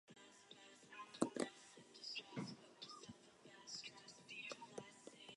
The city is distinct from Elysian Township.